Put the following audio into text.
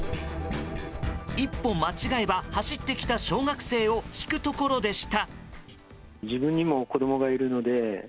一歩間違えば走ってきた小学生をひくところでした。